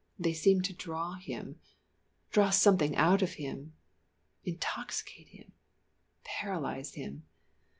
They seemed to draw him draw something out of him intoxicate him paralyse him.